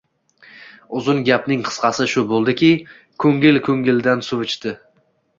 Uzun gapning qisqasi, shu bo`ldiki, ko`ngil ko`ngildan suv ichdi